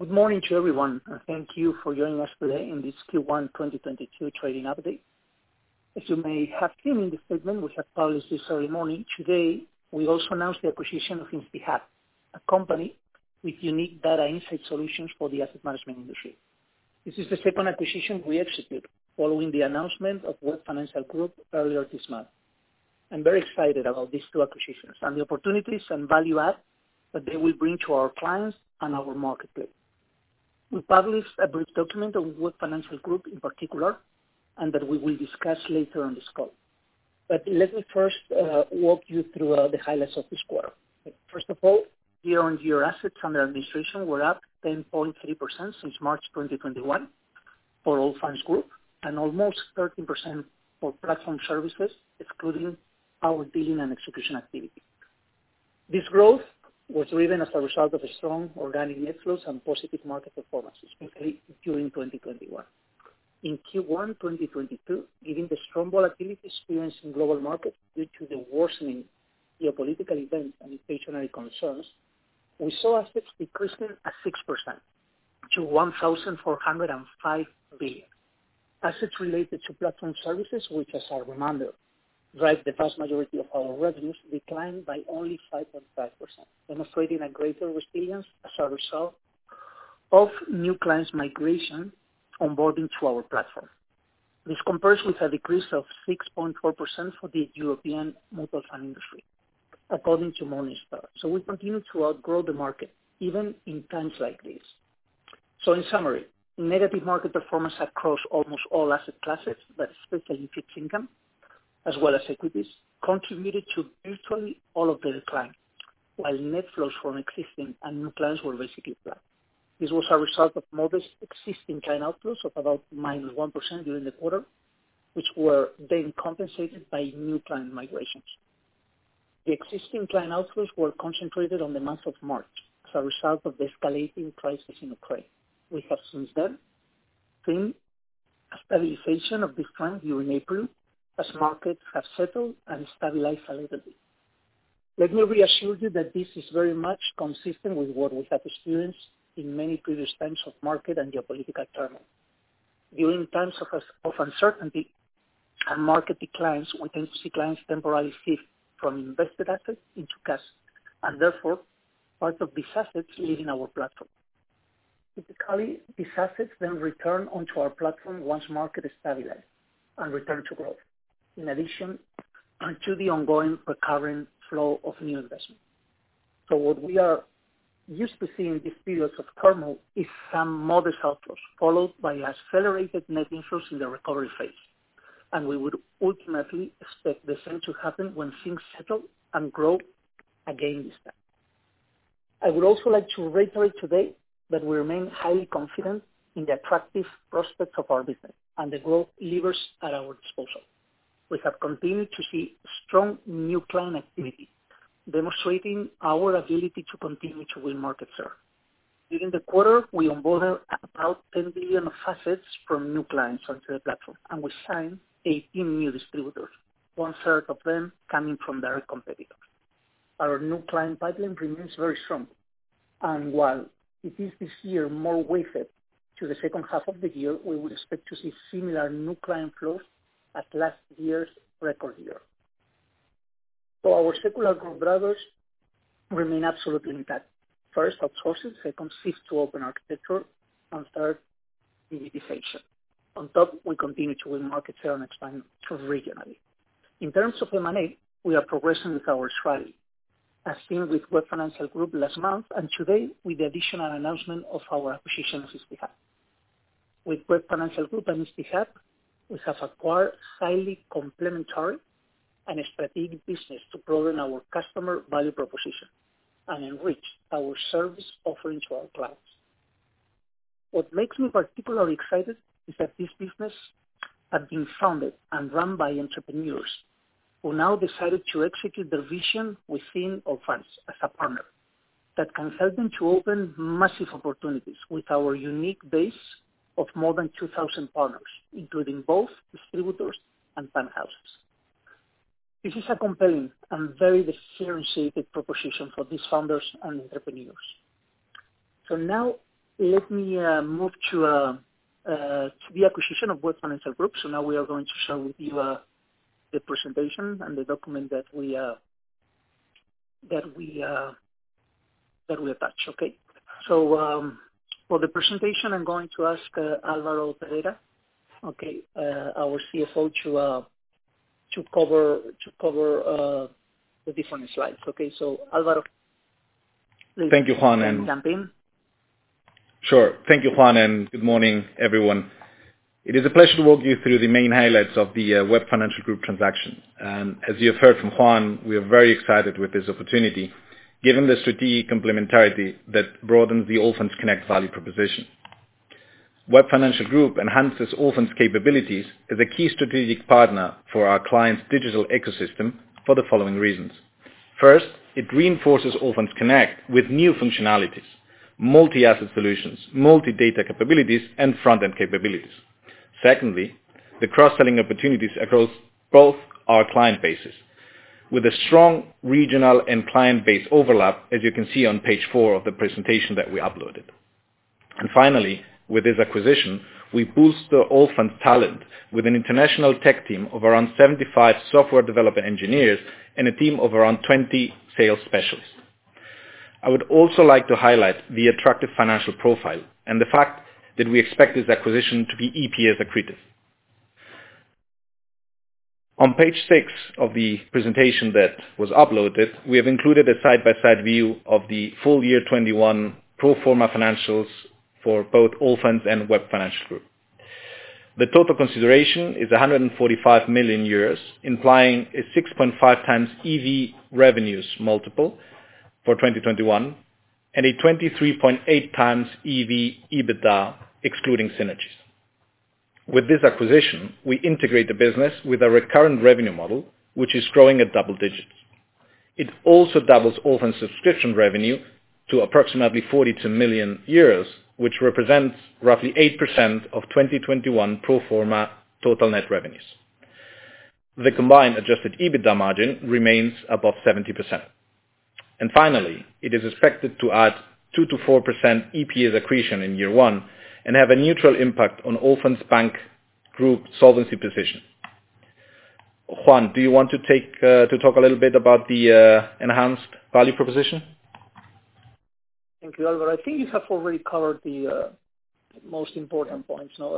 Good morning to everyone, and thank you for joining us today in this Q1 2022 trading update. As you may have seen in the statement we have published this early morning, today, we also announced the acquisition of instiHub, a company with unique data insight solutions for the asset management industry. This is the second acquisition we execute following the announcement of Web Financial Group earlier this month. I'm very excited about these two acquisitions and the opportunities and value add that they will bring to our clients and our marketplace. We published a brief document on Web Financial Group in particular, and that we will discuss later on this call. Let me first walk you through the highlights of this quarter. First of all, year-on-year assets under administration were up 10.3% since March 2021 for Allfunds Group and almost 13% for Platform Services, excluding our dealing and execution activity. This growth was driven as a result of a strong organic net flows and positive market performance, especially during 2021. In Q1 2022, given the strong volatility experienced in global markets due to the worsening geopolitical events and inflationary concerns, we saw assets decreasing at 6% to 1,405 billion. Assets related to Platform Services, which as a reminder, drive the vast majority of our revenues, declined by only 5.5%, demonstrating a greater resilience as a result of new clients migration onboarding to our platform. This compares with a decrease of 6.4% for the European mutual fund industry according to Morningstar. We continue to outgrow the market even in times like this. In summary, negative market performance across almost all asset classes, but especially in fixed income as well as equities, contributed to virtually all of the decline. While net flows from existing and new clients were basically flat. This was a result of modest existing client outflows of about -1% during the quarter, which were then compensated by new client migrations. The existing client outflows were concentrated on the month of March as a result of the escalating crisis in Ukraine. We have since then seen a stabilization of the trend during April as markets have settled and stabilized a little bit. Let me reassure you that this is very much consistent with what we have experienced in many previous times of market and geopolitical turmoil. During times of uncertainty and market declines, we tend to see clients temporarily shift from invested assets into cash, and therefore parts of these assets leaving our platform. Typically, these assets then return onto our platform once market is stabilized and return to growth, in addition to the ongoing recurring flow of new investment. What we are used to see in these periods of turmoil is some modest outflows followed by accelerated net inflows in the recovery phase. We would ultimately expect the same to happen when things settle and grow again this time. I would also like to reiterate today that we remain highly confident in the attractive prospects of our business and the growth levers at our disposal. We have continued to see strong new client activity, demonstrating our ability to continue to win market share. During the quarter, we onboarded about 10 billion of assets from new clients onto the platform, and we signed 18 new distributors, one third of them coming from direct competitors. Our new client pipeline remains very strong, and while it is this year more weighted to the second half of the year, we would expect to see similar new client flows as last year's record year. Our secular growth drivers remain absolutely intact. First, outsourcing. Second, shift to open architecture. Third, digitization. On top, we continue to win market share and expand regionally. In terms of M&A, we are progressing with our strategy, as seen with Web Financial Group last month, and today with the additional announcement of our acquisition of instiHub. With Web Financial Group and instiHub, we have acquired highly complementary and strategic business to broaden our customer value proposition and enrich our service offering to our clients. What makes me particularly excited is that this business have been founded and run by entrepreneurs who now decided to execute their vision within Allfunds as a partner that can help them to open massive opportunities with our unique base of more than 2,000 partners, including both distributors and fund houses. This is a compelling and very differentiated proposition for these founders and entrepreneurs. Now, let me move to the acquisition of Web Financial Group. Now we are going to share with you the presentation and the document that we attached, okay? For the presentation, I'm going to ask Álvaro Perera, okay, our CFO, to cover the different slides. Okay. Álvaro? Thank you, Juan. You can jump in. Sure. Thank you, Juan, and good morning, everyone. It is a pleasure to walk you through the main highlights of the Web Financial Group transaction. As you have heard from Juan, we are very excited with this opportunity, given the strategic complementarity that broadens the Allfunds Connect value proposition. Web Financial Group enhances Allfunds capabilities as a key strategic partner for our clients' digital ecosystem for the following reasons. First, it reinforces Allfunds Connect with new functionalities, multi-asset solutions, multi-data capabilities, and front-end capabilities. Secondly, the cross-selling opportunities across both our client bases, with a strong regional and client base overlap, as you can see on page four of the presentation that we uploaded. Finally, with this acquisition, we boost the Allfunds talent with an international tech team of around 75 software developer engineers and a team of around 20 sales specialists. I would also like to highlight the attractive financial profile and the fact that we expect this acquisition to be EPS accretive. On page six of the presentation that was uploaded, we have included a side-by-side view of the full-year 2021 pro forma financials for both Allfunds and Web Financial Group. The total consideration is 145 million euros, implying a 6.5x EV revenues multiple for 2021, and a 23.8x EV EBITDA excluding synergies. With this acquisition, we integrate the business with our recurrent revenue model, which is growing at double digits. It also doubles Allfunds subscription revenue to approximately 42 million euros, which represents roughly 8% of 2021 pro forma total net revenues. The combined adjusted EBITDA margin remains above 70%. Finally, it is expected to add 2%-4% EPS accretion in year one and have a neutral impact on Allfunds Bank Group solvency position. Juan, do you want to talk a little bit about the enhanced value proposition? Thank you, Álvaro. I think you have already covered the most important points. Now,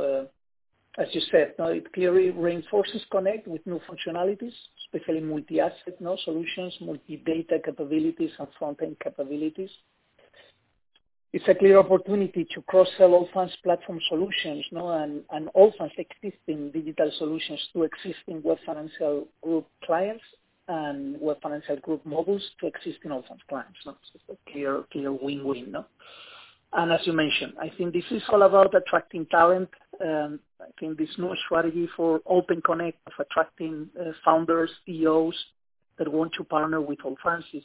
as you said, it clearly reinforces Connect with new functionalities, especially multi-asset now solutions, multi-data capabilities and front-end capabilities. It's a clear opportunity to cross-sell Allfunds platform solutions, you know, and Allfunds existing digital solutions to existing Web Financial Group clients and Web Financial Group models to existing Allfunds clients. No, it's a clear win-win, no? As you mentioned, I think this is all about attracting talent. I think this new strategy for open Connect of attracting founders, CEOs that want to partner with Allfunds is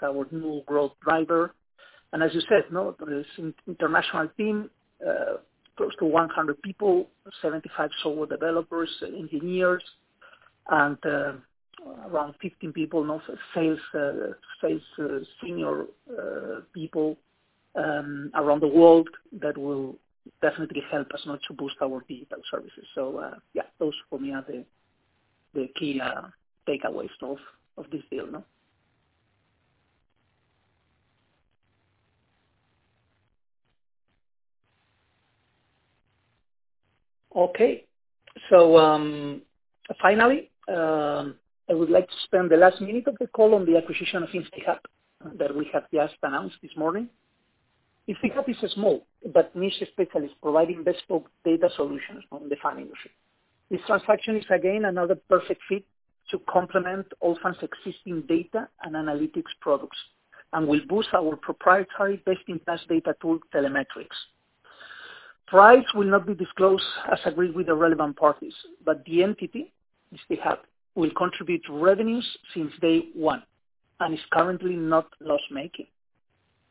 our new growth driver. As you said, this international team close to 100 people, 75 software developers and engineers, and around 15 sales senior people around the world that will definitely help us to boost our digital services. Those for me are the key takeaways of this deal, no? Okay. Finally, I would like to spend the last minute of the call on the acquisition of instiHub that we have just announced this morning. instiHub is small, but niche specialist providing best-of-breed data solutions in the financial industry. This transaction is again another perfect fit to complement Allfunds existing data and analytics products, and will boost our proprietary best-in-class data tool Telemetrics. Price will not be disclosed as agreed with the relevant parties, but the entity, instiHub, will contribute to revenues since day one and is currently not loss-making.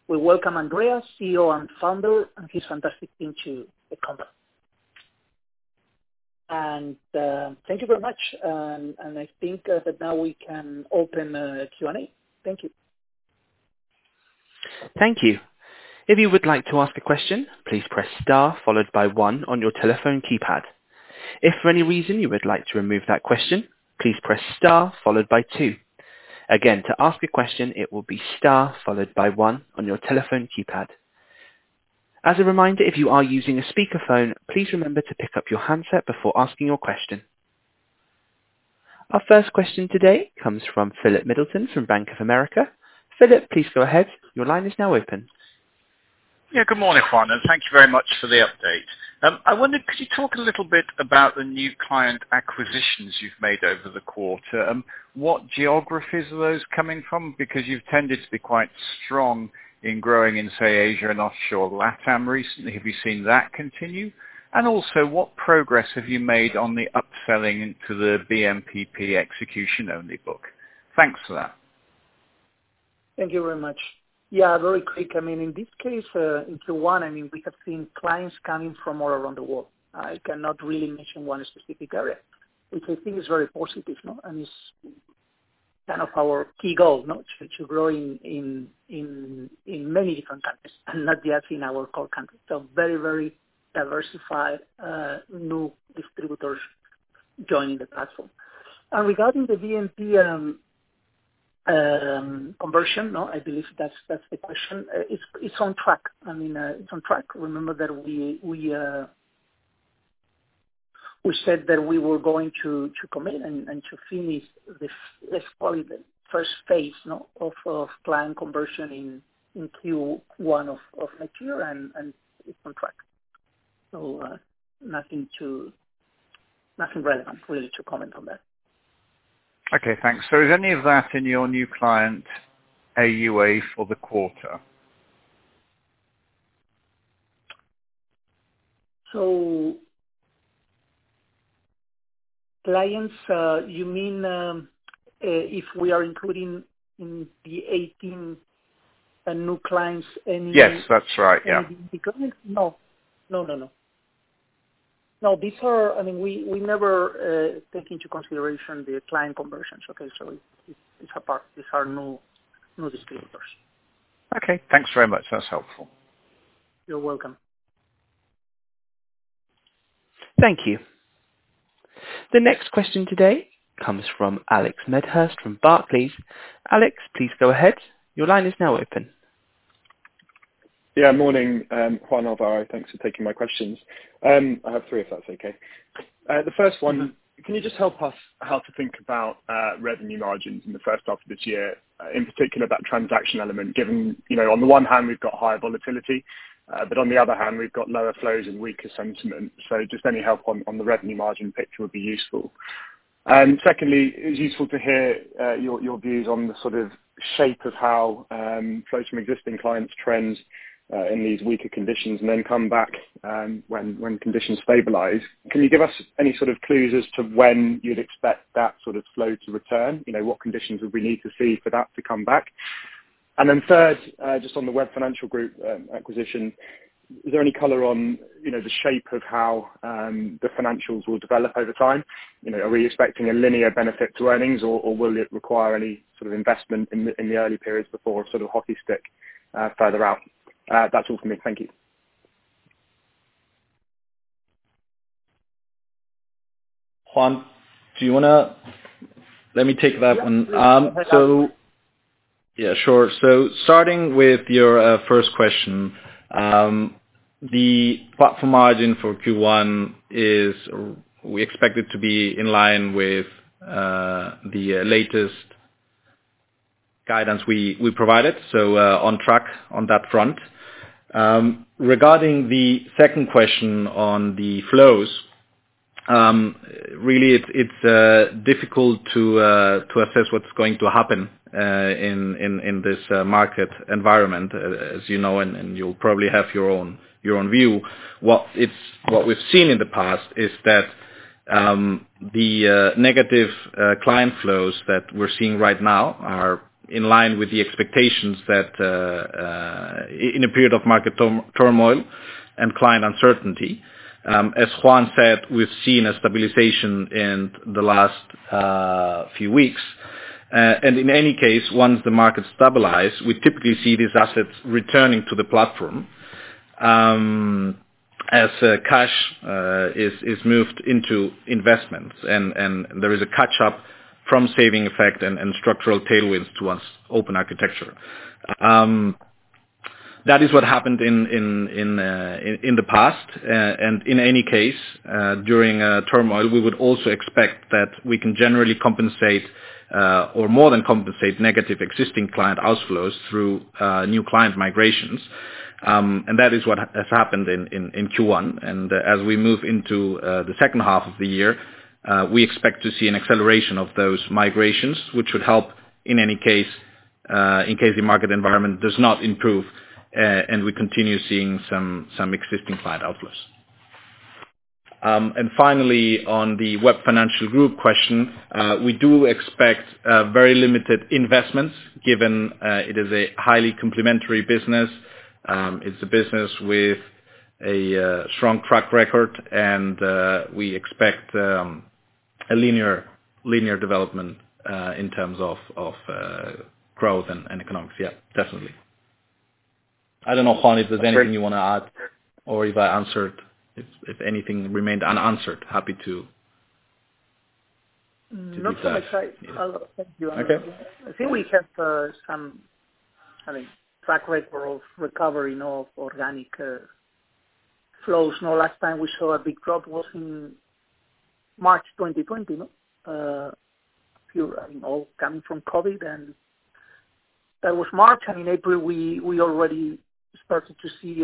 We welcome Andreas, CEO and Founder, and his fantastic team to the company. Thank you very much. I think that now we can open Q&A. Thank you. Thank you. If you would like to ask a question, please press star followed by one on your telephone keypad. If for any reason you would like to remove that question, please press star followed by two. Again, to ask a question, it will be star followed by one on your telephone keypad. As a reminder, if you are using a speakerphone, please remember to pick up your handset before asking your question. Our first question today comes from Philip Middleton from Bank of America. Philip, please go ahead. Your line is now open. Yeah, good morning, Juan, and thank you very much for the update. I wondered, could you talk a little bit about the new client acquisitions you've made over the quarter, and what geographies are those coming from? Because you've tended to be quite strong in growing in, say, Asia and offshore LATAM recently. Have you seen that continue? And also, what progress have you made on the upselling to the BNPP execution only book? Thanks for that. Thank you very much. Yeah, very quick. I mean, in this case, in Q1, I mean, we have seen clients coming from all around the world. I cannot really mention one specific area, which I think is very positive, no? It's kind of our key goal, no? To grow in many different countries and not just in our core countries. Very, very diversified, new distributors joining the platform. Regarding the BNPP conversion, no, I believe that's the question. It's on track. I mean, it's on track. Remember that we said that we were going to commit and to finish this, call it, the first phase, no, of client conversion in Q1 of next year and it's on track Nothing relevant really to comment on that. Okay, thanks. Is any of that in your new client, AuA for the quarter? Clients, you mean if we are including in the 18 new clients any? Yes, that's right. Yeah. Any? No. No, no. No, I mean, we never take into consideration the client conversions, okay? It's a part, these are no distributors. Okay. Thanks very much. That's helpful. You're welcome. Thank you. The next question today comes from Alex Medhurst from Barclays. Alex, please go ahead. Your line is now open. Yeah. Morning, Juan, Álvaro. Thanks for taking my questions. I have three if that's okay. The first one, can you just help us how to think about, revenue margins in the first half of this year, in particular that transaction element, given, you know, on the one hand, we've got higher volatility, but on the other hand, we've got lower flows and weaker sentiment. Just any help on the revenue margin picture would be useful. Secondly, it's useful to hear your views on the sort of shape of how flows from existing clients trend in these weaker conditions and then come back when conditions stabilize. Can you give us any sort of clues as to when you'd expect that sort of flow to return? You know, what conditions would we need to see for that to come back? Third, just on the Web Financial Group acquisition, is there any color on, you know, the shape of how the financials will develop over time? You know, are we expecting a linear benefit to earnings or will it require any sort of investment in the early periods before sort of hockey stick further out? That's all from me. Thank you. Juan, let me take that one. Yeah, please. Starting with your first question, the platform margin for Q1 we expect it to be in line with the latest guidance we provided, so on track on that front. Regarding the second question on the flows, really, it's difficult to assess what's going to happen in this market environment, as you know, and you'll probably have your own view. What we've seen in the past is that the negative client flows that we're seeing right now are in line with the expectations that in a period of market turmoil and client uncertainty. As Juan said, we've seen a stabilization in the last few weeks. In any case, once the market stabilize, we typically see these assets returning to the platform, as cash is moved into investments and there is a catch-up from savings effect and structural tailwinds to our open architecture. That is what happened in the past. In any case, during a turmoil, we would also expect that we can generally compensate or more than compensate negative existing client outflows through new client migrations. That is what has happened in Q1. As we move into the second half of the year, we expect to see an acceleration of those migrations, which would help in any case, in case the market environment does not improve and we continue seeing some existing client outflows. Finally, on the Web Financial Group question, we do expect very limited investments given it is a highly complementary business. It's a business with a strong track record and we expect a linear development in terms of growth and economics. Yeah, definitely. I don't know, Juan, if there's anything you wanna add or if I answered. If anything remained unanswered, happy to do that. Not so much. Yeah. Thank you. Okay. I think we have some, I mean, track record of recovery now of organic flows. You know, last time we saw a big drop was in March 2020, no? If you're all coming from COVID, and that was March, and in April we already started to see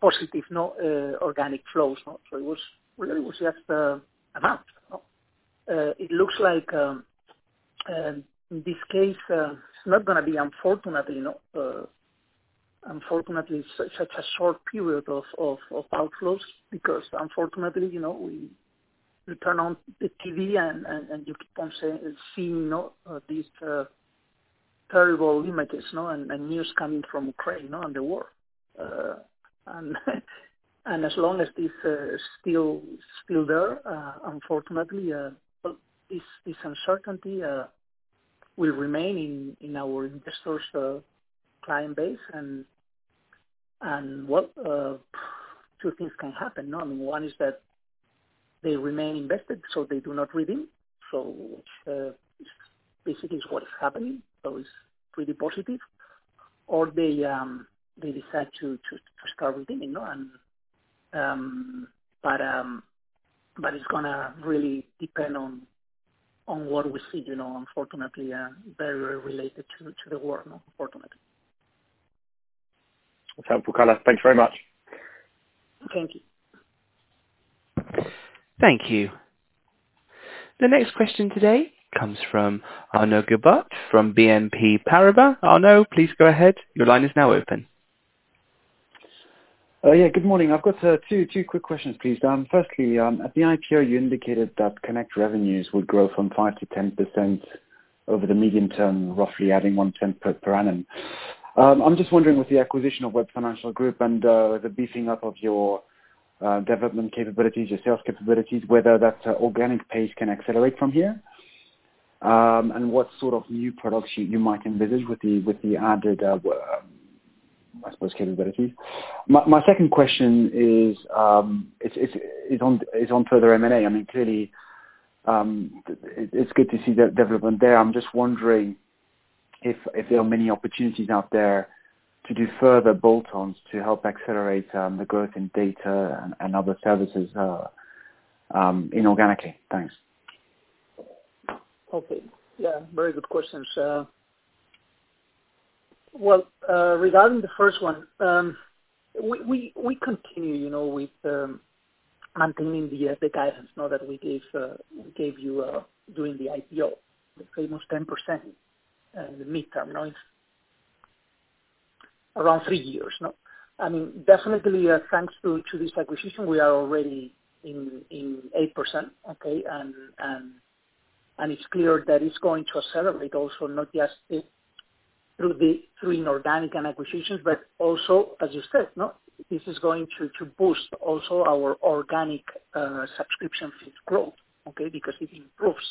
positive, you know, organic flows, you know. It was really it was just a month. It looks like in this case it's not gonna be unfortunately, you know, unfortunately such a short period of outflows because unfortunately, you know, we turn on the TV and you keep on seeing, you know, these terrible images, you know, and news coming from Ukraine, you know, and the war. As long as this is still there, unfortunately, this uncertainty will remain in our investors client base. Well, two things can happen, you know, I mean, one is that they remain invested, so they do not redeem. Basically, it's what is happening. It's pretty positive. They decide to start redeeming, you know. It's gonna really depend on what we see, you know, unfortunately, very related to the war, you know, unfortunately. Helpful color. Thanks very much. Thank you. Thank you. The next question today comes from Arnaud Giblat from BNP Paribas. Arnaud, please go ahead. Your line is now open. Oh, yeah. Good morning. I've got two quick questions, please. Firstly, at the IPO, you indicated that Connect revenues would grow from 5%-10% over the medium term, roughly adding 1% per annum. I'm just wondering with the acquisition of Web Financial Group and the beefing up of your development capabilities, your sales capabilities, whether that organic pace can accelerate from here. And what sort of new products you might envisage with the added, I suppose, capabilities? My second question is on further M&A. I mean, clearly, it's good to see the development there. I'm just wondering if there are many opportunities out there to do further bolt-ons to help accelerate the growth in data and other services inorganically. Thanks. Okay. Yeah, very good questions. Well, regarding the first one, we continue, you know, with maintaining the guidance now that we gave you during the IPO, the famous 10%, the midterm, no? Around three years, no? I mean, definitely, thanks to this acquisition, we are already in 8%, okay? It's clear that it's going to accelerate also not just through inorganic and acquisitions, but also, as you said, no? This is going to boost also our organic subscription fees growth, okay? Because it improves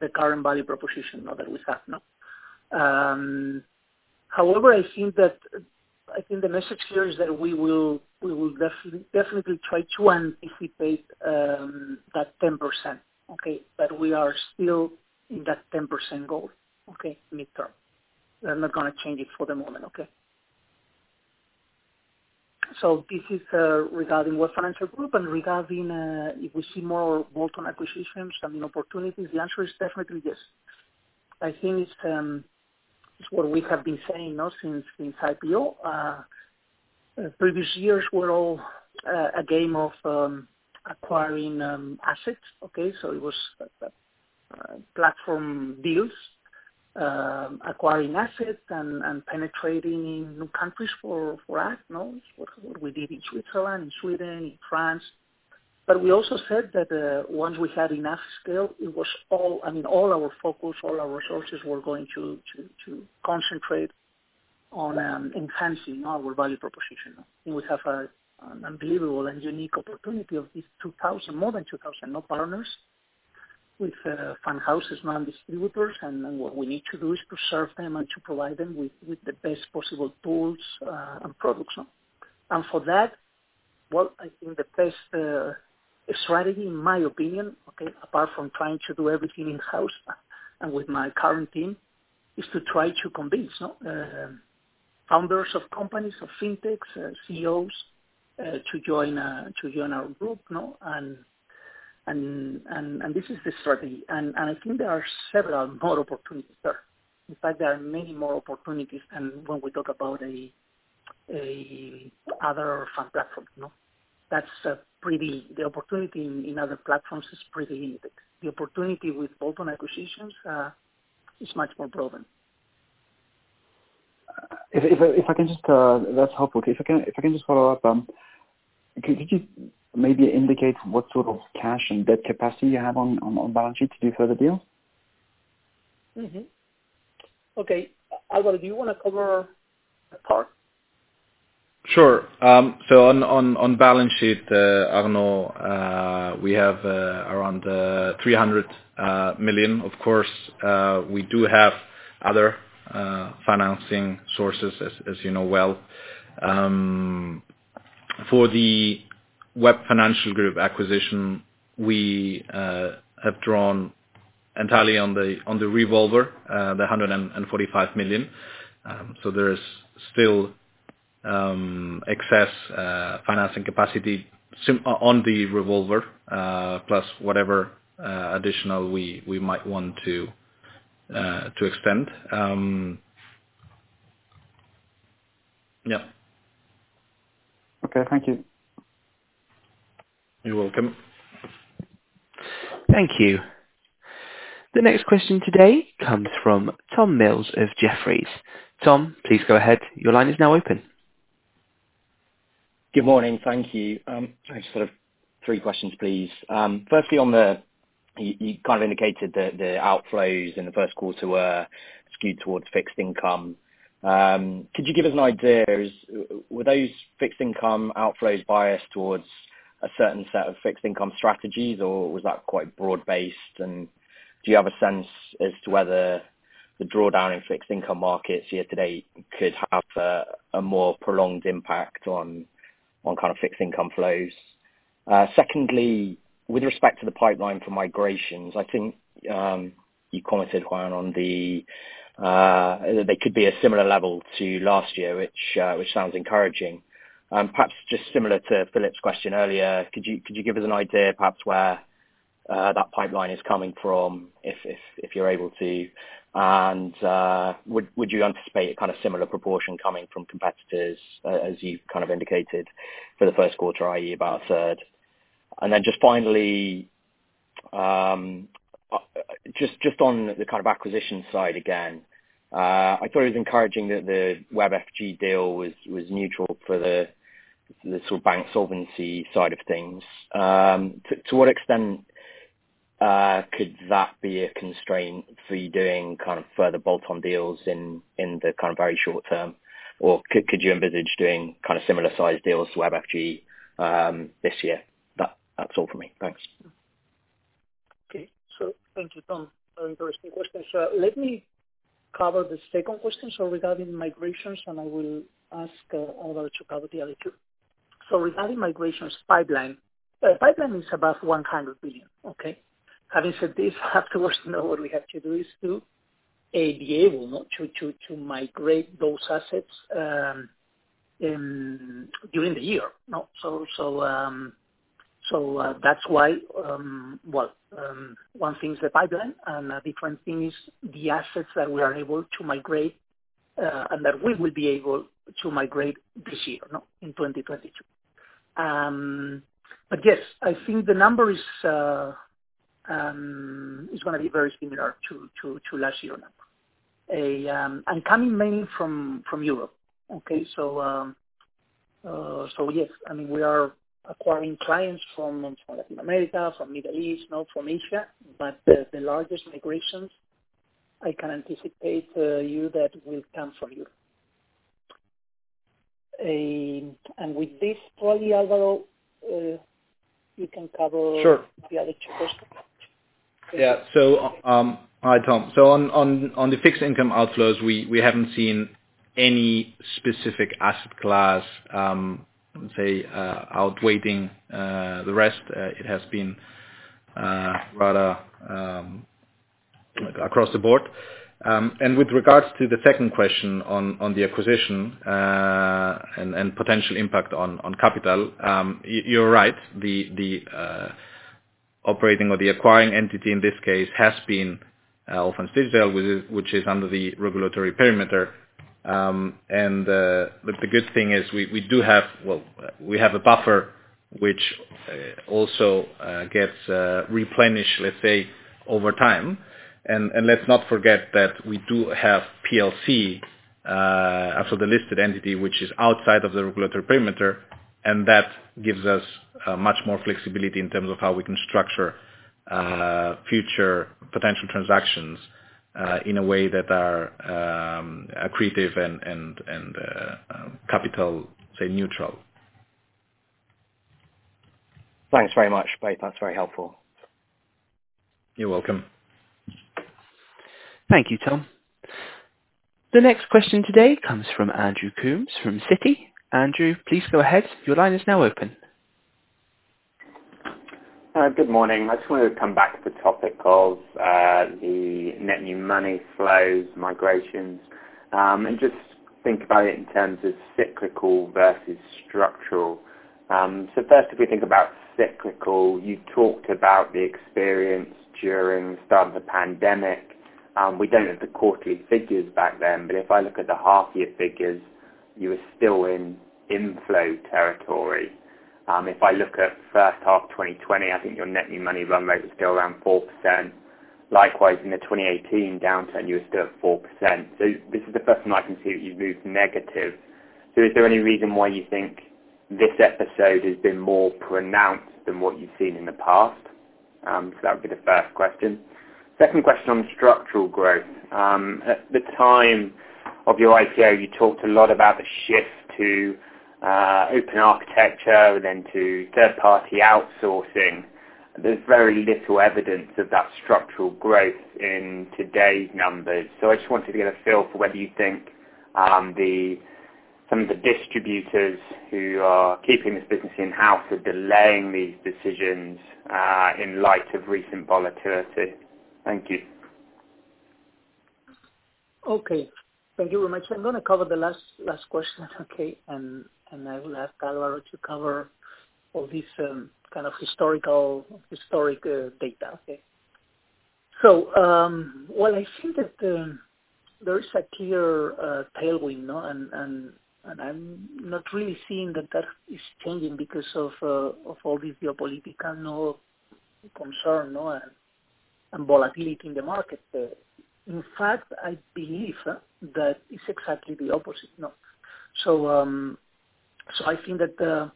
the current value proposition now that we have, no? However, I think the message here is that we will definitely try to anticipate that 10%, okay? That we are still in that 10% goal, okay? Midterm. We're not gonna change it for the moment, okay? This is regarding Web Financial Group. Regarding if we see more bolt-on acquisitions coming opportunities? The answer is definitely yes. I think it's what we have been saying, no, since IPO. Previous years were all a game of acquiring assets, okay? It was like the platform deals, acquiring assets and penetrating new countries for us, no? What we did in Switzerland, in Sweden, in France. We also said that once we had enough scale, it was all, I mean, all our focus, all our resources were going to concentrate on enhancing our value proposition. We have an unbelievable and unique opportunity of these 2,000, more than 2,000, partners with fund houses and distributors. Then what we need to do is to serve them and to provide them with the best possible tools and products, no? For that, well, I think the best strategy in my opinion, okay, apart from trying to do everything in-house and with my current team, is to try to convince founders of companies, of fintechs, CEOs to join our group, no? This is the strategy. I think there are several more opportunities there. In fact, there are many more opportunities than when we talk about other fund platform, you know? That's pretty. The opportunity in other platforms is pretty limited. The opportunity with bolt-on acquisitions is much more proven. That's helpful. If I can just follow up, could you maybe indicate what sort of cash and debt capacity you have on balance sheet to do further deal? Okay. Álvaro, do you wanna cover that part? Sure. On balance sheet, Arnaud, we have around 300 million. Of course, we do have other financing sources as you know well. For the Web Financial Group acquisition, we have drawn entirely on the revolver, the 145 million. There is still excess financing capacity simply on the revolver, plus whatever additional we might want to extend. Yep. Okay. Thank you. You're welcome. Thank you. The next question today comes from Tom Mills of Jefferies. Tom, please go ahead. Your line is now open. Good morning. Thank you. I just have three questions, please. Firstly, you kind of indicated the outflows in the first quarter were skewed towards fixed income. Could you give us an idea, were those fixed income outflows biased towards a certain set of fixed income strategies, or was that quite broad-based? Do you have a sense as to whether the drawdown in fixed income markets year-to-date could have a more prolonged impact on kind of fixed income flows? Secondly, with respect to the pipeline for migrations, I think you commented, Juan, on that they could be a similar level to last year, which sounds encouraging. Perhaps just similar to Philip's question earlier, could you give us an idea, perhaps where that pipeline is coming from, if you're able to? Would you anticipate a kinda similar proportion coming from competitors as you've kind of indicated for the first quarter, i.e., about a third? Then just finally, just on the kind of acquisition side again, I thought it was encouraging that the WebFG deal was neutral for the sort of bank solvency side of things. To what extent could that be a constraint for you doing kind of further bolt-on deals in the kind of very short term? Or could you envisage doing kind of similar size deals to WebFG this year? That's all for me. Thanks. Okay. Thank you, Tom, for interesting questions. Let me cover the second question, regarding migrations, and I will ask Álvaro to cover the other two. Regarding migrations pipeline is about 100 billion, okay? Having said this, afterwards, you know what we have to do is to migrate those assets during the year, no? That's why, well, one thing is the pipeline, and a different thing is the assets that we are able to migrate, and that we will be able to migrate this year, no, in 2022. But yes, I think the number is gonna be very similar to last year's number. And coming mainly from Europe. Yes, I mean, we are acquiring clients from Latin America, from Middle East, no, from Asia, but the largest migrations I can anticipate that will come from Europe. With this, probably Álvaro, you can cover- Sure. -the other two questions. Yeah. Hi, Tom. On the fixed income outflows, we haven't seen any specific asset class, let's say, outweighing the rest. It has been rather across the board. With regards to the second question on the acquisition and potential impact on capital, you're right. The operating or the acquiring entity in this case has been Allfunds Digital, which is under the regulatory perimeter. The good thing is we do have, well, we have a buffer, which also gets replenished, let's say, over time. Let's not forget that we do have PLC, so the listed entity, which is outside of the regulatory perimeter, and that gives us much more flexibility in terms of how we can structure future potential transactions in a way that are accretive and capital say neutral. Thanks very much. Great. That's very helpful. You're welcome. Thank you, Tom. The next question today comes from Andrew Coombs from Citi. Andrew, please go ahead. Your line is now open. Good morning. I just wanted to come back to the topic of the net new money flows, migrations, and just think about it in terms of cyclical versus structural. First, if we think about cyclical, you talked about the experience during the start of the pandemic. We don't have the quarterly figures back then, but if I look at the half-year figures, you were still in inflow territory. If I look at first half 2020, I think your net new money run rate was still around 4%. Likewise, in the 2018 downturn, you were still at 4%. This is the first time I can see that you've moved negative. Is there any reason why you think this episode has been more pronounced than what you've seen in the past? That would be the first question. Second question on structural growth. At the time of your IPO, you talked a lot about the shift to open architecture, then to third-party outsourcing. There's very little evidence of that structural growth in today's numbers. I just wanted to get a feel for whether you think some of the distributors who are keeping this business in-house are delaying these decisions in light of recent volatility. Thank you. Okay. Thank you very much. I'm gonna cover the last question, okay, and I will ask Álvaro to cover all this kind of historical data, okay? Well, I think that there is a clear tailwind, no, and I'm not really seeing that is changing because of all this geopolitical concern, no, and volatility in the market. In fact, I believe that it's exactly the opposite, no. I think that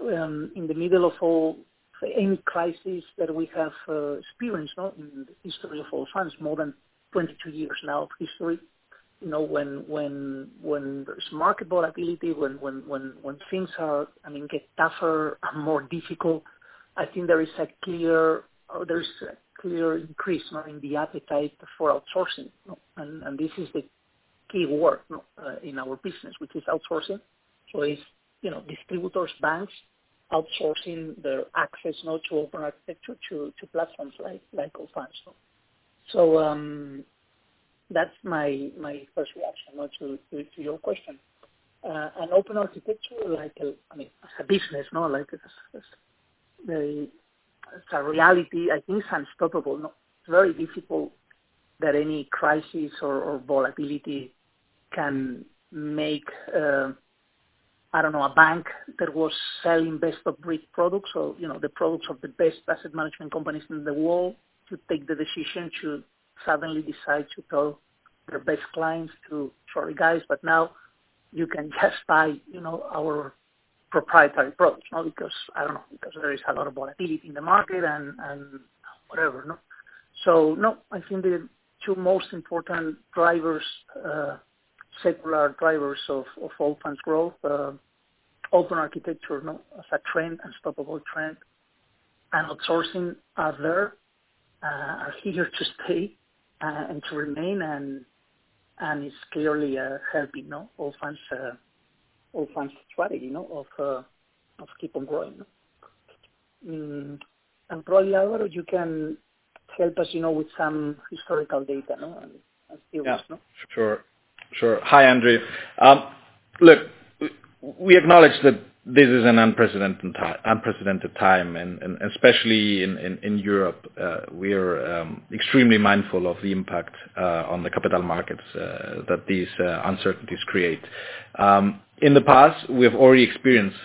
in the middle of any crisis that we have experienced, no, in the history of Allfunds, more than 22 years now of history, you know, when there's market volatility, when things are, I mean, get tougher and more difficult, I think there is a clear increase, no, in the appetite for outsourcing. This is the keyword, no, in our business, which is outsourcing. It's, you know, distributors, banks outsourcing their access, no, to open architecture, to platforms like Allfunds, no. That's my first reaction, no, to your question. And open architecture, I mean, as a business, no, like as a reality, I think it's unstoppable, no. It's very difficult that any crisis or volatility can make, I don't know, a bank that was selling best of breed products or, you know, the products of the best asset management companies in the world to take the decision to suddenly decide to tell their best clients to, "Sorry guys, but now you can just buy, you know, our proprietary products. Not because I don't know, because there is a lot of volatility in the market, and whatever, no? No, I think the two most important drivers, secular drivers of Allfunds' growth, open architecture as a trend, unstoppable trend and outsourcing are here to stay, and to remain, and it's clearly helping, you know, Allfunds' strategy, you know, of keep on growing. Probably, Álvaro, you can help us, you know, with some historical data, no? Theories, no? Yeah. Sure. Hi, Andrew. Look, we acknowledge that this is an unprecedented time and especially in Europe, we are extremely mindful of the impact on the capital markets that these uncertainties create. In the past, we have already experienced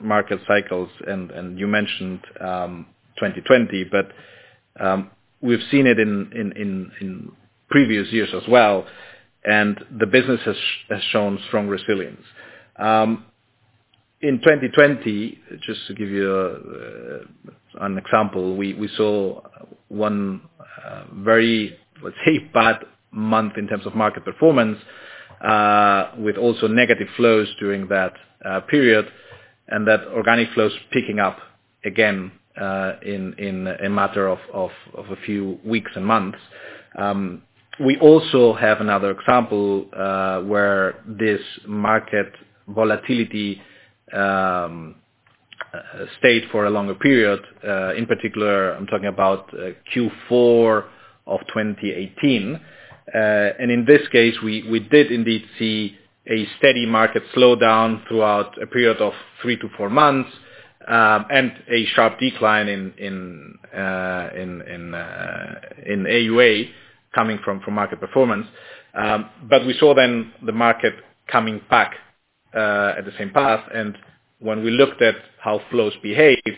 market cycles and you mentioned 2020, but we've seen it in previous years as well, and the business has shown strong resilience. In 2020, just to give you an example, we saw one very, let's say, bad month in terms of market performance with also negative flows during that period, and that organic flows picking up again in a matter of a few weeks and months. We also have another example where this market volatility stayed for a longer period. In particular, I'm talking about Q4 of 2018. In this case, we did indeed see a steady market slowdown throughout a period of three to four months and a sharp decline in AuA coming from market performance. We saw then the market coming back at the same pace. When we looked at how flows behaved,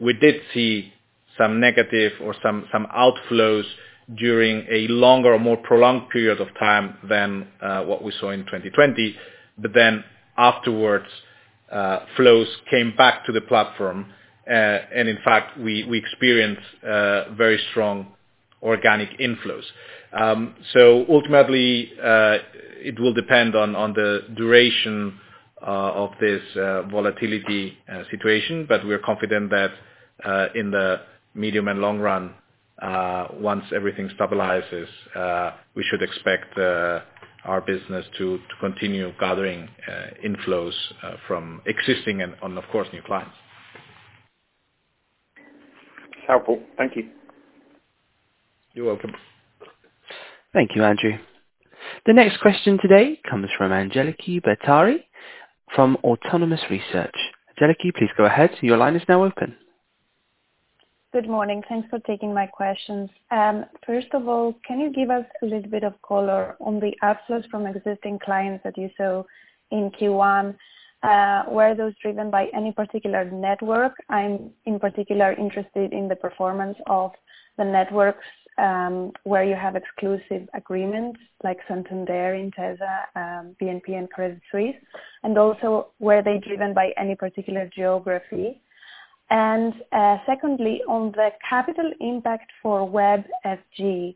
we did see some negative or some outflows during a longer or more prolonged period of time than what we saw in 2020. Then afterwards, flows came back to the platform. In fact, we experienced very strong organic inflows. Ultimately, it will depend on the duration of this volatility situation. We are confident that in the medium and long run, once everything stabilizes, we should expect our business to continue gathering inflows from existing and, of course, new clients. Helpful. Thank you. You're welcome. Thank you, Andrew. The next question today comes from Angeliki Bairaktari from Autonomous Research. Angeliki, please go ahead. Your line is now open. Good morning. Thanks for taking my questions. First of all, can you give us a little bit of color on the outflows from existing clients that you saw in Q1? Were those driven by any particular network? I'm in particular interested in the performance of the networks, where you have exclusive agreements like Santander, Intesa, BNP, and Credit Suisse, and also were they driven by any particular geography? Secondly, on the capital impact for WebFG,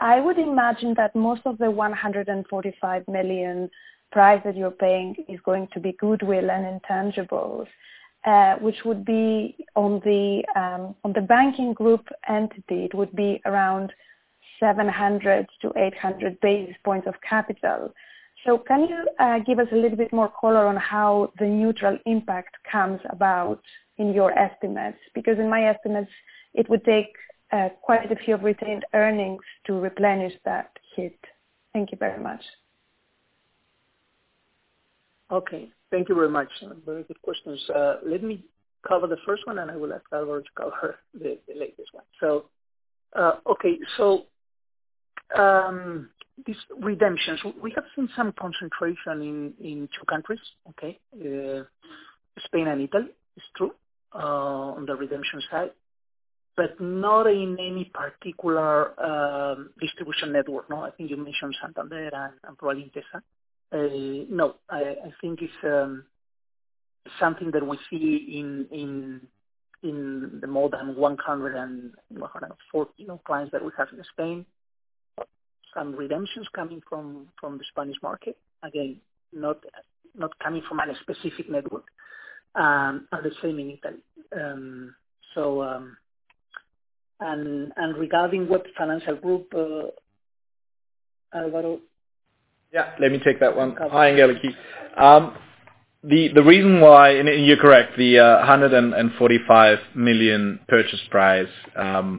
I would imagine that most of the 145 million price that you're paying is going to be goodwill and intangibles, which would be on the banking group entity. It would be around 700 basis points-800 basis points of capital. Can you give us a little bit more color on how the neutral impact comes about in your estimates? Because in my estimates, it would take quite a few of retained earnings to replenish that hit. Thank you very much. Okay. Thank you very much. Very good questions. Let me cover the first one, and I will ask Álvaro to cover the latest one. Okay. These redemptions, we have seen some concentration in two countries, okay? Spain and Italy, it's true, on the redemption side, but not in any particular distribution network. No, I think you mentioned Santander and probably Intesa. No, I think it's something that we see in the more than 140 clients that we have in Spain. Some redemptions is coming from the Spanish market. Again, not coming from any specific network, are the same in Italy. Regarding Web Financial Group, Álvaro? Yeah, let me take that one. Okay. Hi, Angeliki. The reason why, and you're correct, the 145 million purchase price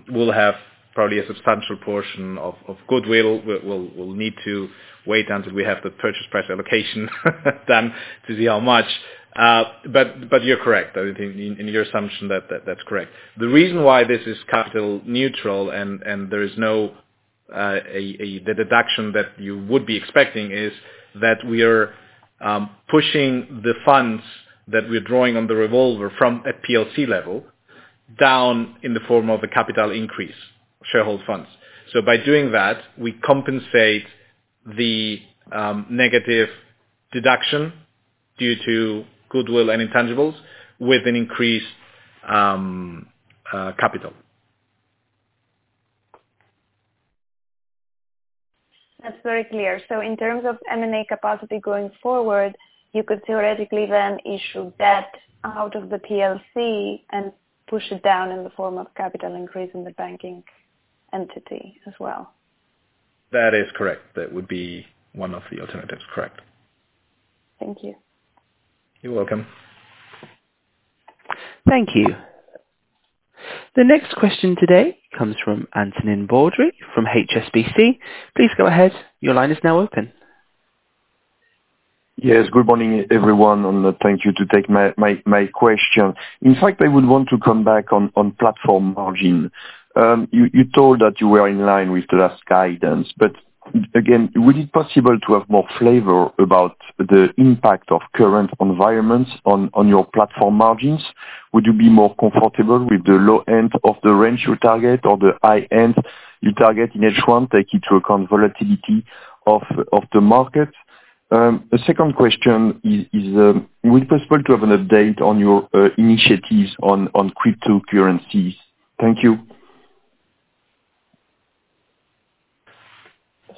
will have probably a substantial portion of goodwill. We'll need to wait until we have the purchase price allocation done to see how much. But you're correct. I think in your assumption that that's correct. The reason why this is capital neutral and there is no deduction that you would be expecting is that we are pushing the funds that we're drawing on the revolver from PLC level down in the form of a capital increase shareholder funds. By doing that, we compensate the negative deduction due to goodwill and intangibles with an increased capital. That's very clear. In terms of M&A capacity going forward, you could theoretically then issue debt out of the PLC and push it down in the form of capital increase in the banking entity as well. That is correct. That would be one of the alternatives. Correct. Thank you. You're welcome. Thank you. The next question today comes from Antonin Baudry from HSBC. Please go ahead. Your line is now open. Yes, good morning, everyone, and thank you to take my question. In fact, I would want to come back on platform margin. You told that you were in line with the last guidance, but again, would it possible to have more flavor about the impact of current environments on your platform margins? Would you be more comfortable with the low end of the range you target or the high end you target in H1, taking into account volatility of the market? The second question is would it possible to have an update on your initiatives on cryptocurrencies? Thank you.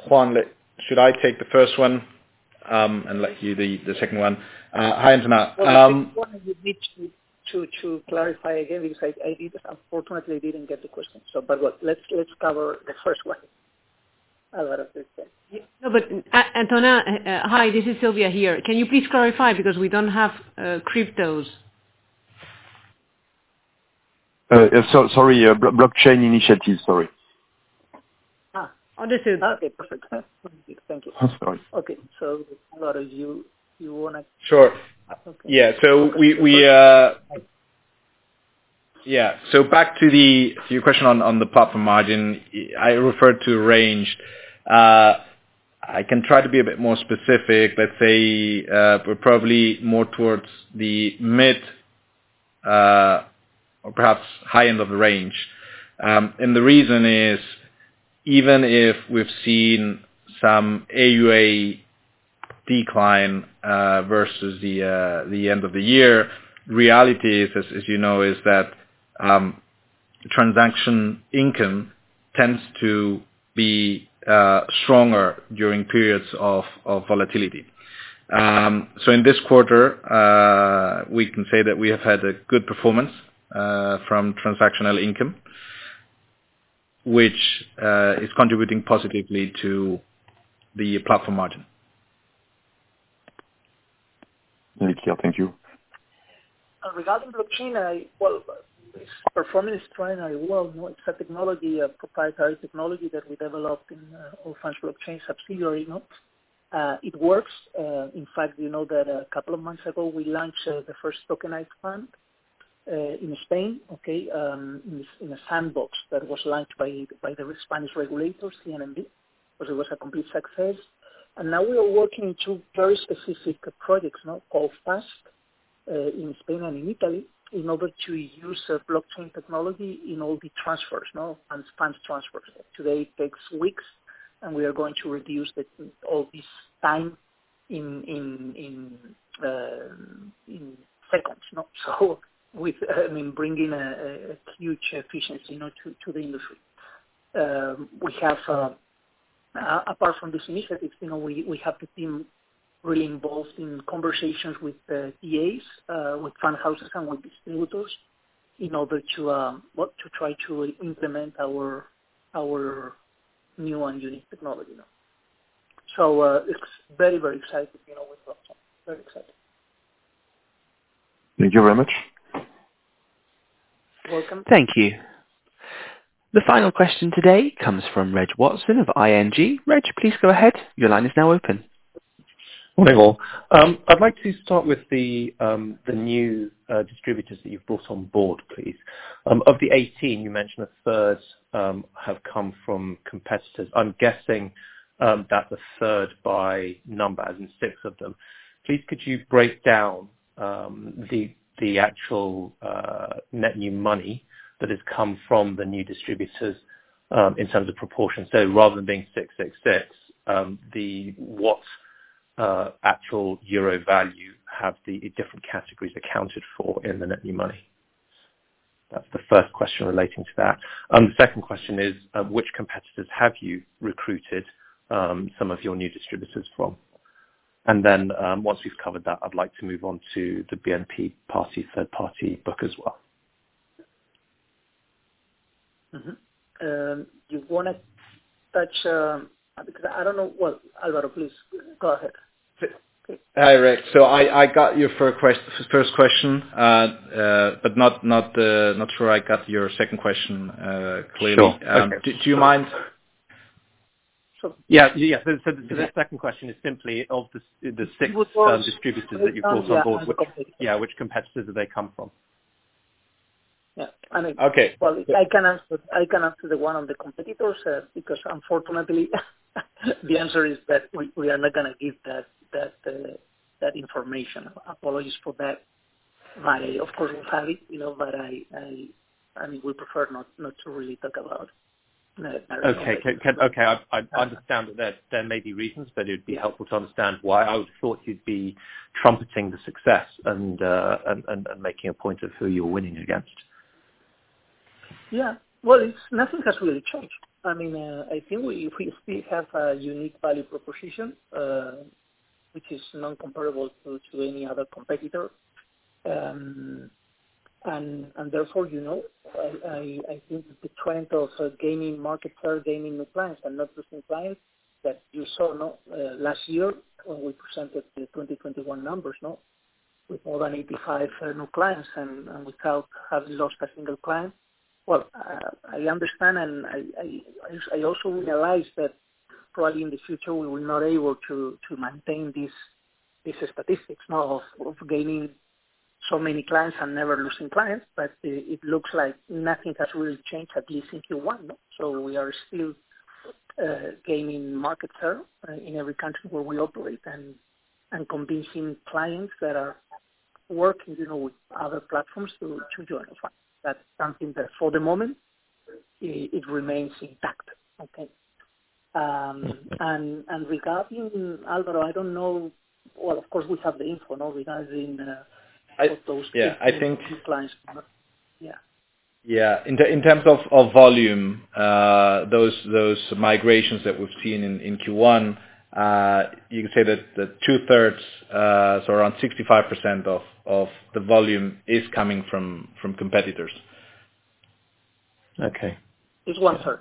Juan, should I take the first one, and let you the second one? Hi, Antonin. Well, you need to clarify again because I unfortunately didn't get the question, so but let's cover the first one. Álvaro, please take. No, but Antonin, hi, this is Silvia here. Can you please clarify because we don't have cryptos. Sorry, blockchain initiatives. Sorry. Understood. Okay, perfect. Thank you. I'm sorry. Okay. Álvaro, you wanna- Sure. Okay. Yeah. Back to your question on the platform margin. I referred to a range. I can try to be a bit more specific. Let's say, we're probably more towards the mid or perhaps high end of the range. The reason is, even if we've seen some AuA decline versus the end of the year, reality is, as you know, that transaction income tends to be stronger during periods of volatility. In this quarter, we can say that we have had a good performance from transactional income, which is contributing positively to the platform margin. Thank you. Regarding blockchain, well, it's performing very well. You know, it's a technology, a proprietary technology that we developed in Allfunds Blockchain subsidiary, you know. It works. In fact, you know that a couple of months ago, we launched the first tokenized fund in Spain, okay, in a sandbox that was launched by the Spanish regulators, CNMV. Because it was a complete success. Now we are working two very specific projects, you know, Allfunds in Spain and in Italy in order to use the blockchain technology in all the transfers, you know, and funds transfers. Today, it takes weeks, and we are going to reduce all this time in seconds, you know. With, I mean, bringing a huge efficiency, you know, to the industry. We have apart from this initiatives, you know, we have the team really involved in conversations with TAs with fund houses and with distributors in order to, well, to try to implement our new and unique technology. It's very exciting, you know, with blockchain. Very exciting. Thank you very much. You're welcome. Thank you. The final question today comes from Reg Watson of ING. Reg, please go ahead. Your line is now open. Morning, all. I'd like to start with the new distributors that you've brought on board, please. Of the 18, you mentioned a third have come from competitors. I'm guessing that's a third by numbers and six of them. Please could you break down the actual net new money that has come from the new distributors in terms of proportion? So rather than being six, six, six what actual euro value have the different categories accounted for in the net new money? That's the first question relating to that. The second question is, which competitors have you recruited some of your new distributors from? Once you've covered that, I'd like to move on to the BNP Paribas third-party book as well. Because I don't know. Well, Álvaro, please go ahead. Please. Hi, Reg. I got your first question, but not sure I got your second question clearly. Sure. Okay. Do you mind? Sure. Yeah. The second question is simply of the six distributors that you've brought on board, which competitors do they come from? Yeah. Okay. Well, I can answer the one on the competitors, because unfortunately, the answer is that we are not gonna give that information. Apologies for that. Of course, I have it, you know, but I mean, we prefer not to really talk about Okay. I understand that there may be reasons, but it'd be helpful to understand why. I would've thought you'd be trumpeting the success and making a point of who you're winning against. Yeah. Well, nothing has really changed. I mean, I think we still have a unique value proposition, which is non-comparable to any other competitor. And therefore, you know, I think the trend of gaining market share, gaining new clients and not losing clients that you saw last year when we presented the 2021 numbers. With more than 85 new clients and without having lost a single client. Well, I understand, and I also realize that probably in the future we will not be able to maintain these statistics of gaining so many clients and never losing clients. It looks like nothing has really changed, at least in Q1. We are still gaining market share in every country where we operate and convincing clients that are working, you know, with other platforms to join us. That's something that for the moment, it remains intact. Okay. Regarding Álvaro, I don't know. Well, of course we have the info, no, regarding those- Yeah. I think. -clients. Yeah. Yeah. In terms of volume, those migrations that we've seen in Q1, you can say that two-thirds, so around 65% of the volume is coming from competitors. Okay. It's 1/3.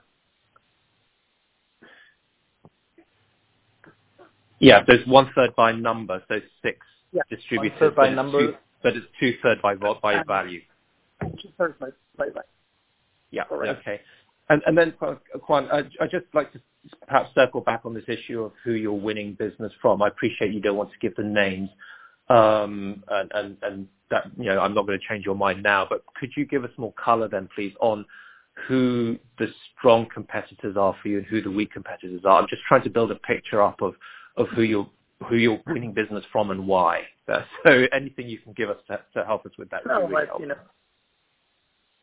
Yeah. There's 1/3 by number, so six distributors. Yeah. 1/3 by number. It's 2/3 by volume by value. 2/3 by value. Yeah. Correct. Okay. Then Juan, I'd just like to perhaps circle back on this issue of who you're winning business from. I appreciate you don't want to give the names, and that, you know, I'm not gonna change your mind now, but could you give us more color then, please, on who the strong competitors are for you, who the weak competitors are. I'm just trying to build a picture up of who you're winning business from and why. Anything you can give us to help us with that would be helpful.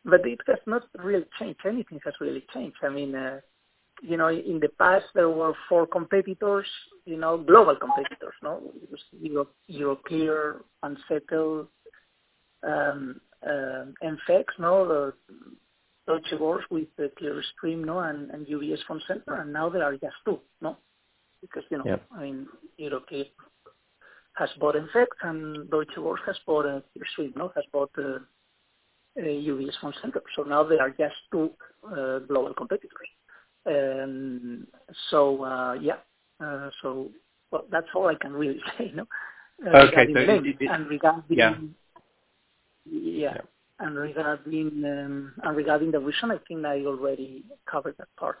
It has not really changed. Anything has really changed. I mean, you know, in the past there were four competitors, you know, global competitors, no? Euroclear, unsettled MFEX, no? The Deutsche Börse with the Clearstream, no, and UBS Fondcenter, and now there are just two, no? Because, you know- Yeah. I mean, Euroclear has bought MFEX and Deutsche Börse has bought UBS Fondcenter. Now there are just two global competitors. Well, that's all I can really say, no? Okay. Regarding- Yeah. Yeah. Regarding the regional, I think I already covered that part.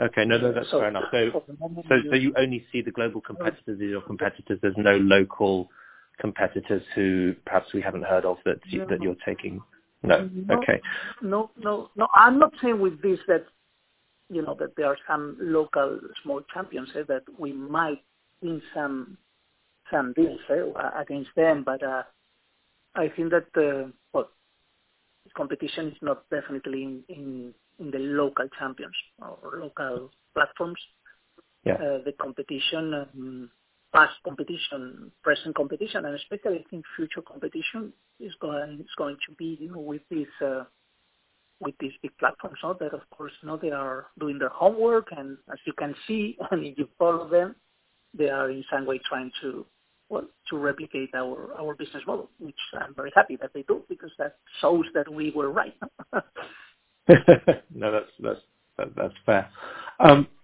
Okay. No, no, that's fair enough. You only see the global competitors as your competitors. There's no local competitors who perhaps we haven't heard of- No. -that you're taking. No. Okay. No, no. I'm not saying with this that, you know, that there are some local small champions here that we might win some deals against them. I think that, well, competition is not definitely in the local champions or local platforms. Yeah. The competition, past competition, present competition, and especially I think future competition is going to be, you know, with these big platforms out there. Of course, no, they are doing their homework, and as you can see when you follow them, they are in some way trying to, well, to replicate our business model, which I'm very happy that they do because that shows that we were right. No, that's fair.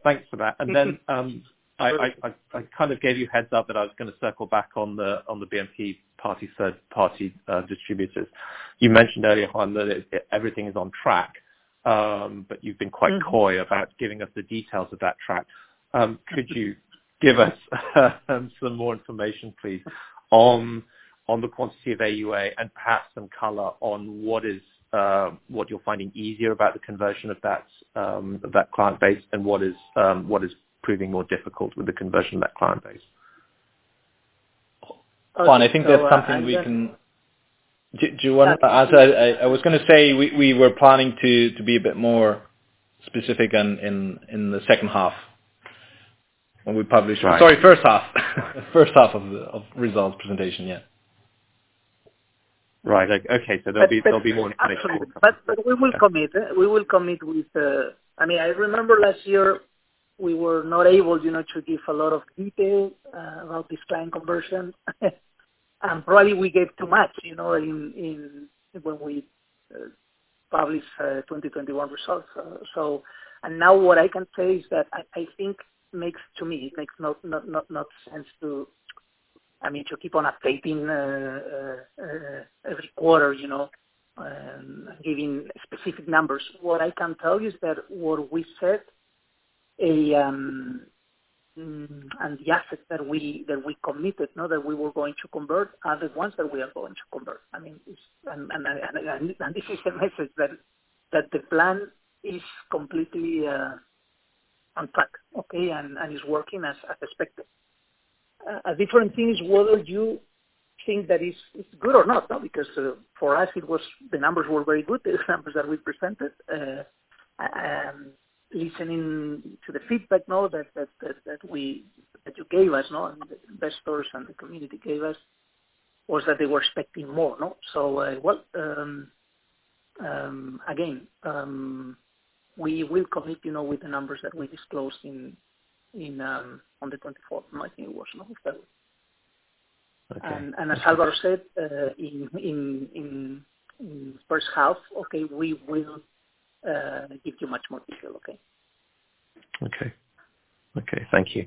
Thanks for that. I kind of gave you a heads-up that I was gonna circle back on the BNP Paribas third-party distributors. You mentioned earlier on that everything is on track, but you've been quite coy about giving us the details of that track. Could you give us some more information, please, on the quantity of AuA and perhaps some color on what you're finding easier about the conversion of that client base and what is proving more difficult with the conversion of that client base? Juan, I think that's something we can do. As I was gonna say, we were planning to be a bit more specific in the second half when we publish. Right. Sorry, first half of the results presentation, yeah. Right. Okay. There'll be more in- We will commit with. I mean, I remember last year we were not able, you know, to give a lot of detail about this client conversion. Probably we gave too much, you know, when we published 2021 results. Now, what I can say is that I think it makes no sense to, I mean, to keep on updating every quarter, you know, giving specific numbers. What I can tell you is that what we said and the assets that we were going to convert are the ones that we are going to convert. I mean, this is the message that the plan is completely on track. Okay, it's working as expected. A different thing is whether you think that it's good or not, because for us it was. The numbers were very good, the examples that we presented. Listening to the feedback that investors and the community gave us was that they were expecting more. We will commit, you know, with the numbers that we disclosed on the 24th, I think it was November. Okay. As Álvaro said, in first half, okay, we will give you much more detail, okay? Okay. Thank you.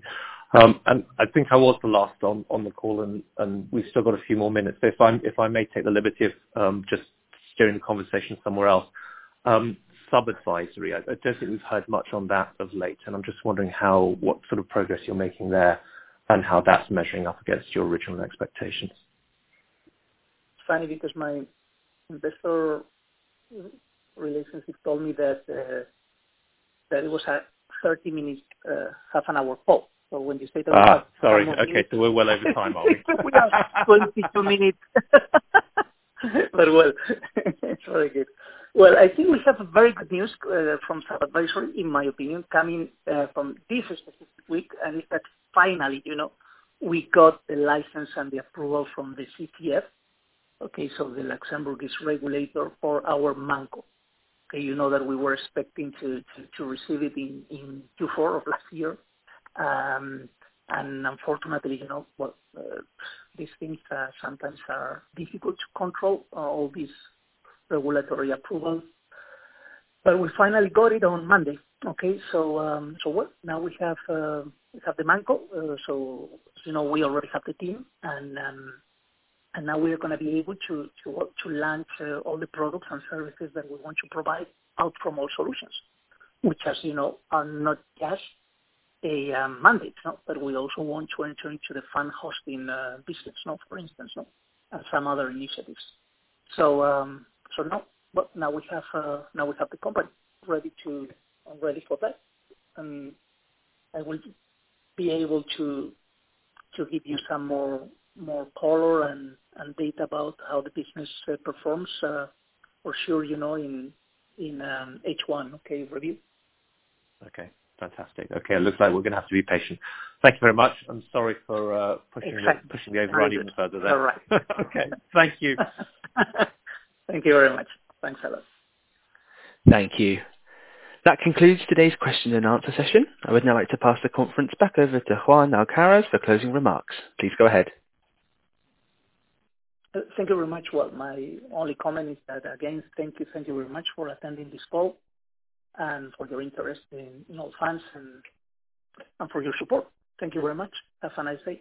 I think I was the last on the call and we've still got a few more minutes. If I may take the liberty of just steering the conversation somewhere else. Sub-advisory. I don't think we've heard much on that of late, and I'm just wondering what sort of progress you're making there and how that's measuring up against your original expectations. It's funny because my investor relations told me that it was a 30-minute half an hour call. When you say that- Sorry. Okay. We're well over time, are we? 22 minutes. Well, it's very good. Well, I think we have very good news from sub-advisory, in my opinion, coming from this specific week. It's that finally, you know, we got the license and the approval from the CSSF. Okay? The Luxembourg regulator for our ManCo. Okay? You know that we were expecting to receive it in Q4 of last year. And unfortunately, you know, well, these things sometimes are difficult to control all these regulatory approvals. We finally got it on Monday, okay? Now we have the ManCo. As you know, we already have the team and now we are gonna be able to launch all the products and services that we want to provide out from our solutions. Which as you know, are not just a mandate, but we also want to enter into the fund hosting business, for instance, and some other initiatives. Now we have the company ready for that, and I will be able to give you some more color and data about how the business performs, for sure you know in H1 okay review. Okay. Fantastic. Okay. It looks like we're gonna have to be patient. Thank you very much. I'm sorry for- Exactly -pushing the envelope even further there. All right. Okay. Thank you. Thank you very much. Thanks, Alex. Thank you. That concludes today's question-and-answer session. I would now like to pass the conference back over to Juan Alcaraz for closing remarks. Please go ahead. Thank you very much. Well, my only comment is that, again, thank you very much for attending this call and for your interest in Allfunds and for your support. Thank you very much. Have a nice day.